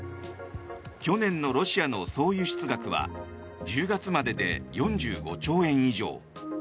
去年のロシアの総輸出額は１０月までで４５兆円以上。